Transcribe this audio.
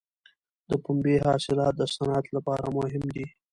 د پنبې حاصلات د صنعت لپاره مهم دي.